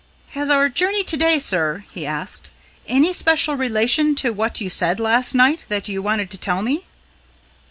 "Has our journey to day, sir," he asked, "any special relation to what you said last night that you wanted to tell me?"